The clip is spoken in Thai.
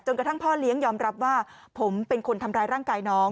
กระทั่งพ่อเลี้ยงยอมรับว่าผมเป็นคนทำร้ายร่างกายน้อง